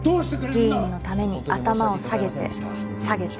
議員のために頭を下げて下げて。